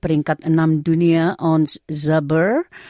peringkat enam dunia on zabur